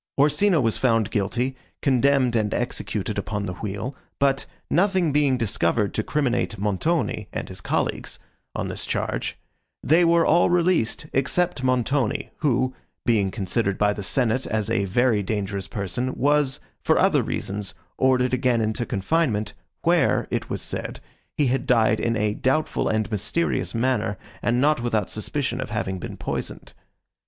Orsino was found guilty, condemned and executed upon the wheel, but, nothing being discovered to criminate Montoni, and his colleagues, on this charge, they were all released, except Montoni, who, being considered by the senate as a very dangerous person, was, for other reasons, ordered again into confinement, where, it was said, he had died in a doubtful and mysterious manner, and not without suspicion of having been poisoned.